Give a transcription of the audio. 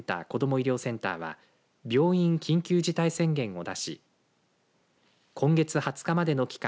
医療センターは病院緊急事態宣言を出し今月２０日までの期間